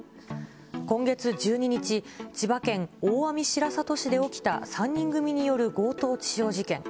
今月１２日、千葉県大網白里市で起きた３人組による強盗致傷事件。